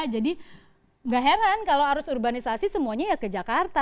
jadi tidak heran kalau harus urbanisasi semuanya ke jakarta